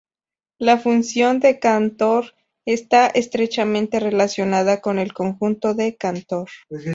La función de Cantor está estrechamente relacionada con el conjunto de Cantor.